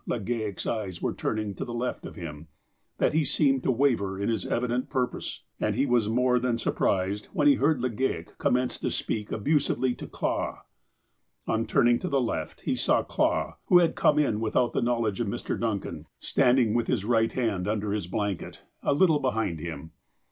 Legale' s eyes were tiu niug to the left of him ; that he seemed to waver in his evident purpose. And he was more than surprised when he heard Legale commence to speak abusively to Clah. On turning to the left, he saw Clah, who had come in without the knowledge of Mr. Duncan, standing with his 134 THE APOSTLE OF ALASKA right hand under his blanket, a little behind him.